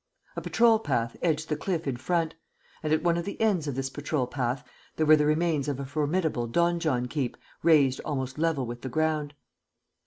A patrol path edged the cliff in front; and, at one of the ends of this patrol path, there were the remains of a formidable donjon keep razed almost level with the ground.